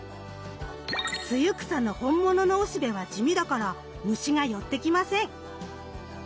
ツユクサの本物のおしべは地味だから虫が寄ってきません。